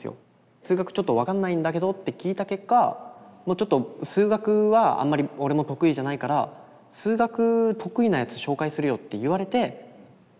「数学ちょっと分かんないんだけど」って聞いた結果ちょっと「数学はあんまり俺も得意じゃないから「数学得意なやつ紹介するよ」って言われて。